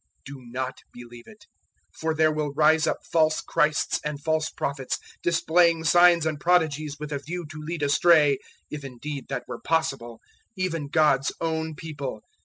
do not believe it. 013:022 For there will rise up false Christs and false prophets, displaying signs and prodigies with a view to lead astray if indeed that were possible even God's own People.